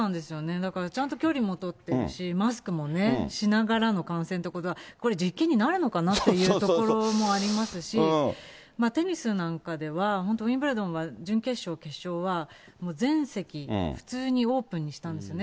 だからちゃんと距離も取ってるし、マスクもね、しながらの観戦ってことは、これ、実験になるのかなっていうところもありますし、テニスなんかでは、本当、ウィンブルドンは準決勝、決勝はもう全席、普通にオープンにしたんですね。